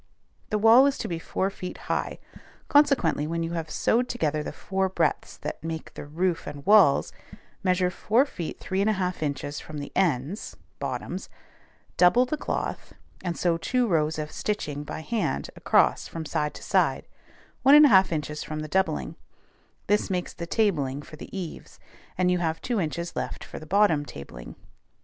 The wall is to be four feet high; consequently, when you have sewed together the four breadths that make the roof and walls, measure four feet 3 1/2 inches from the ends (bottoms), double the cloth, and sew two rows of stitching by hand across from side to side, 1 1/2 inches from the doubling; this makes the tabling for the eaves, and you have two inches left for the bottom tabling.